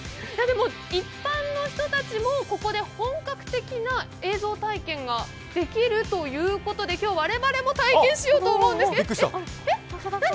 一般の人たちも、ここで本格的な映像体験ができるということで、今日我々も体験しようと思うんですけどえっ、何？